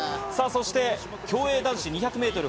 そして競泳男子２００メートル